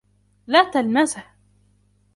لا تلمسه.